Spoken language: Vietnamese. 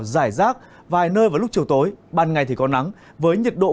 giải rác vài nơi vào lúc chiều tối ban ngày thì có nắng với nhiệt độ